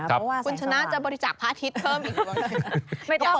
คุณชนะจะบริจักษ์พระอาทิตย์เพิ่มอีกบางอย่าง